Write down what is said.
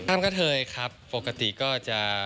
ท่ามเข้าเทยครับปกติก็จะ